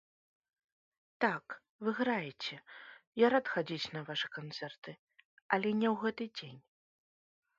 Так, вы граеце, я рад хадзіць на вашы канцэрты, але не ў гэты дзень.